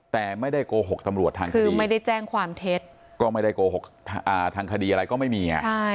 แต่ไม่ได้โกหกตำรวจทางคดีคือไม่ได้แจ้งความเท็จก็ไม่ได้โกหกทางคดีอะไรก็ไม่มีไง